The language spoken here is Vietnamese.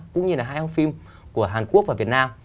cũng như là hai ông phim của hàn quốc và việt nam